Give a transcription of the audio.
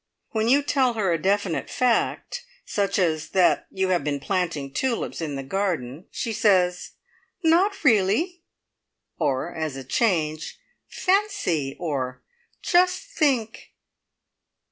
When you tell her a definite fact, such as that you have been planting tulips in the garden, she says, "Not really!" or as a change, "Fancy!" or "Just think!"